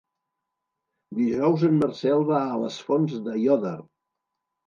Dijous en Marcel va a les Fonts d'Aiòder.